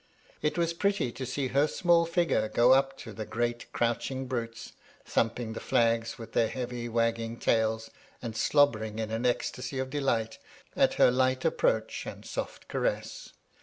It was pretty to see her small figure go up to the great, crouching brutes, thumping the flags with their heavy, wagging tails, and slobbering in an ecstacy of delight, at her light approach and soft caress.